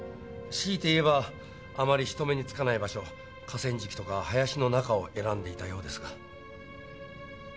強いて言えばあまり人目につかない場所河川敷や林の中を選んでいたようですが。